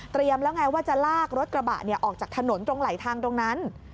แล้วไงว่าจะลากรถกระบะออกจากถนนตรงไหลทางตรงนั้น